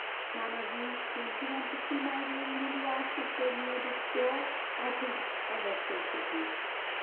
"Mamma Vi, don't you want to see my room?" Lulu asked as they neared its door. "I think it is ever so pretty."